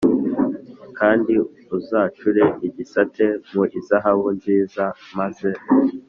Kandi uzacure igisate mu izahabu nziza maze